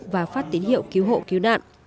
và phát tín hiệu cứu hộ cứu nạn